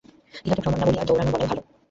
ইহাকে ভ্রমণ না বলিয়া দৌড়ান বলাই ভাল।